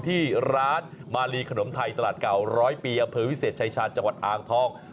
ที่ร้านมาลีขนมไทยตลาดเก่าร้อยปีอำเภอวิเศษชายชาญจังหวัดอ่างทอง